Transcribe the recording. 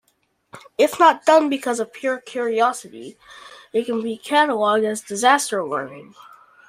If not done because of pure curiosity, it can be cataloged as disaster learning.